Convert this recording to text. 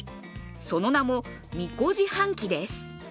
その名も、みこ自販機です。